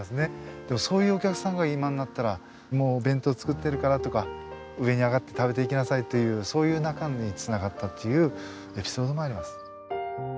でもそういうお客さんが今になったらお弁当作ってるからとか上に上がって食べていきなさいというそういう仲につながったっていうエピソードもあります。